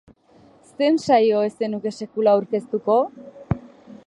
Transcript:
Zein saio ez zenuke sekula aurkeztuko?